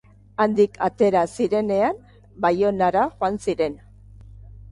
Handik atera zirenean Baionara joan ziren.